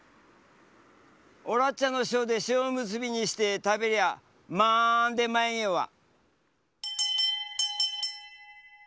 おらっちゃの塩で塩むすびにしてたべりゃまんでまいわ。